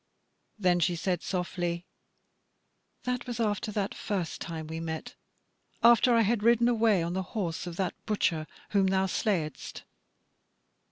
Then she said softly: "That was after that first time we met; after I had ridden away on the horse of that butcher whom thou slayedst."